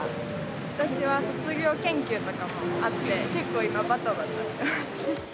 私は卒業研究とかもあって、結構今、ばたばたしてます。